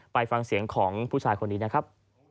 ไปฟังเสียงของผู้ชายคนนี้นะครับ